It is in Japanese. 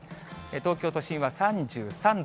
東京都心は３３度。